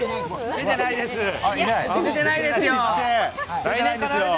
出てないですよ。